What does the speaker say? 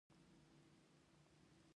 زړه د وینې د دوران تر ټولو مهم غړی دی